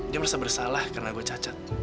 dia merasa bersalah karena gue cacat